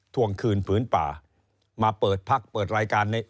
ทวงคืนผืนป่ามาเปิดพักเปิดรายการใน